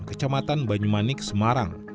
kecamatan banyumanik semarang